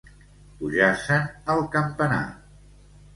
Pujar-se'n al campanar.